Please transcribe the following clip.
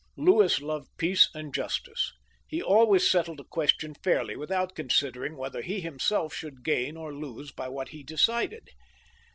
Louis loved peace and justice. He always settled a question fairly, without considering whether he himseK should gain or lose by what he decided.